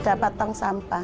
dapat tong sampah